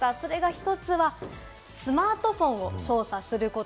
１つはスマートフォンを操作すること。